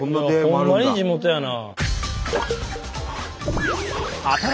ほんまに地元やな。